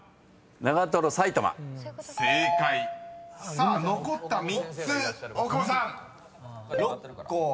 ［さあ残った３つ大久保さん］